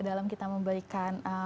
dalam kita memberikan pola